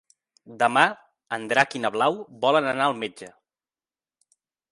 Demà en Drac i na Blau volen anar al metge.